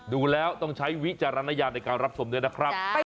ดูแล้วต้องใช้วิจารณญาณในการรับชมด้วยนะครับ